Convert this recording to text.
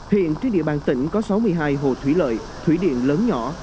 hiện trên địa bàn tỉnh có sáu mươi hai hồ thủy lợi thủy điện lớn nhỏ